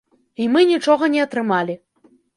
І мы нічога не атрымалі.